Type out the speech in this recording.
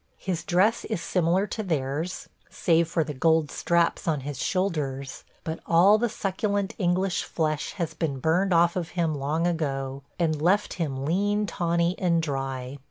His dress is similar to theirs, save for the gold straps on his shoulders, but all the succulent English flesh has been burned off of him long ago, and left him lean, tawny, and dry.